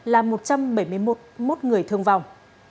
làm một trăm bảy mươi một người thương vong